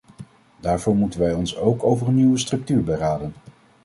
Daarvoor moeten wij ons ook over een nieuwe structuur beraden.